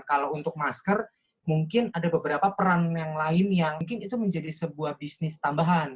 kalau untuk masker mungkin ada beberapa peran yang lain yang mungkin itu menjadi sebuah bisnis tambahan